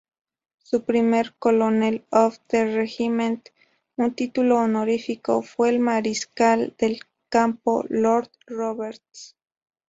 Su primer Colonel-of-the-Regiment, un título honorífico, fue el mariscal de campo lord Roberts.